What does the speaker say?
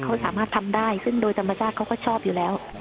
เขาสามารถทำได้ซึ่งโดยธรรมชาติเขาก็ชอบอยู่แล้ว